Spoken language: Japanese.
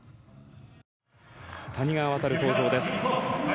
谷川航、登場です。